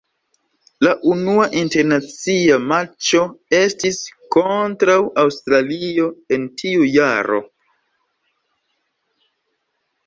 La unua internacia matĉo estis kontraŭ Aŭstralio en tiu jaro.